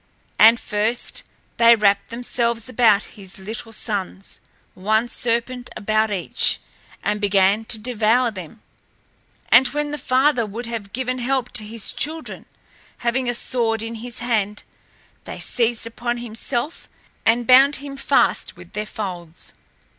And first they wrapped themselves about his little sons, one serpent about each, and began to devour them. And when the father would have given help to his children, having a sword in his hand, they seized upon himself and bound him fast with their folds.